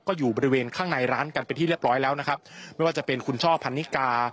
ก็อยู่บริเวณข้างในร้านกันเป็นที่เรียบร้อยแล้วนะครับไม่ว่าจะเป็นคุณช่อพันนิกา